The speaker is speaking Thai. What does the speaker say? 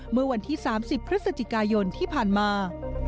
เมื่อวันที่๓๐พฤศจิกายนที่ผ่านมา